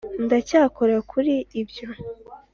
ndacyakora kuri ibyo.